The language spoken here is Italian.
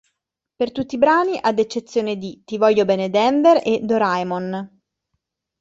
Per tutti i brani ad eccezione di "Ti voglio bene Denver" e "Doraemon"